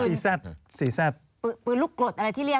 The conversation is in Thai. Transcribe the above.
ปืนลูกกรดอะไรที่เรียกว่านะ